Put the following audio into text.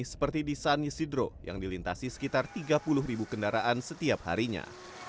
seperti di san ysidro yang dilintasi sekitar tiga puluh kendaraan setiap harinya